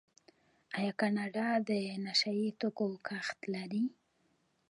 آیا کاناډا د نشه یي توکو کښت لري؟